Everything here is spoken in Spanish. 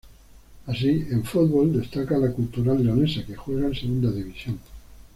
Así, en fútbol, destaca la Cultural Leonesa que juega en Segunda División.